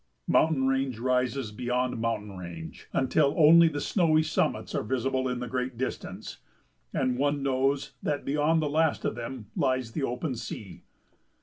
Mountain range rises beyond mountain range, until only the snowy summits are visible in the great distance, and one knows that beyond the last of them lies the open sea.